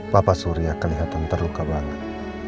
papa surya kelihatan terluka banget